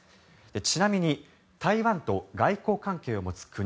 ちなみに台湾と外交関係を持つ国